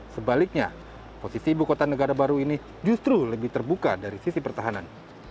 sebaliknya posisi ibu kota negara baru ini justru lebih terbuka dari sisi pertahanan